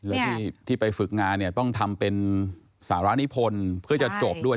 แล้วที่ไปฝึกงานเนี่ยต้องทำเป็นสารนิพลเพื่อจะจบด้วย